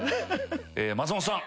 松本さん